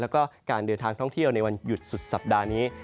แล้วก็การเดินทางท่องเที่ยวในวันหยุดสุดสัปดาห์นี้